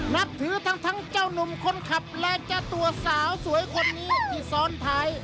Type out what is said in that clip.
นับถือทั้งเจ้านุ่มคนขับและเจ้าตัวสาวสวยคนนี้ที่ซ้อนท้าย